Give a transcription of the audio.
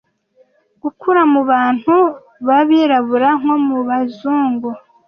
Gukura mubantu babirabura nko mubazungu,